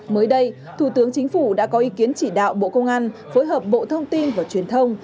mới đây thủ tướng chính phủ đã có ý kiến chỉ đạo bộ công an phối hợp bộ thông tin và truyền thông